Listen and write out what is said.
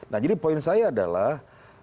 nah jadi poin saya adalah